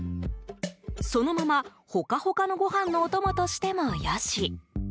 そのまま、ホカホカのご飯のお供としても良し。